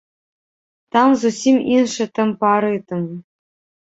Там зусім іншы тэмпарытм.